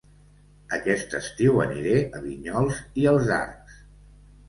Aquest estiu aniré a Vinyols i els Arcs